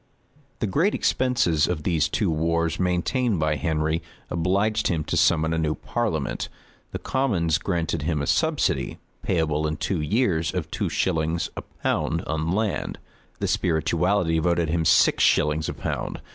The great expense of these two wars maintained by Henry, obliged him to summon a new parliament. The commons granted him a subsidy, payable in two years, of two shillings a pound on land.[*] The spirituality voted him six shillings a pound.